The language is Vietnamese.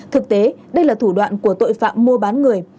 thực tế đây là thủ đoạn của tội phạm mua bán người